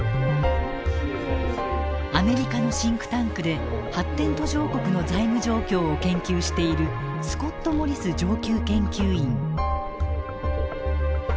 アメリカのシンクタンクで発展途上国の財務状況を研究しているスコット・モリス上級研究員。